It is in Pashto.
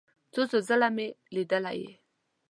څو څو ځله مې لیدلی یې.